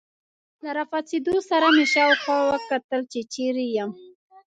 له راپاڅېدو سره مې شاوخوا وکتل، چې چیرې یم.